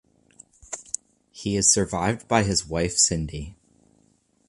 He is survived by his wife Cindy.